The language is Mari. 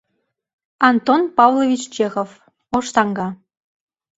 Антон Павлович ЧЕХОВ «ОШ САҤГА»